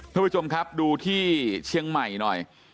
ทุกผู้ชมครับดูที่เชียงใหม่หน่อย